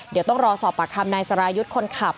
เดี๋ยวต้องรอสอบปากคำนายสรายุทธ์คนขับ